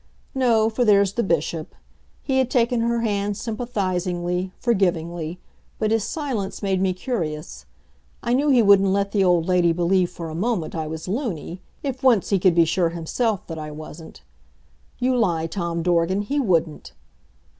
No, for there's the Bishop. He had taken her hand sympathizingly, forgivingly, but his silence made me curious. I knew he wouldn't let the old lady believe for a moment I was luny, if once he could be sure himself that I wasn't. You lie, Tom Dorgan, he wouldn't!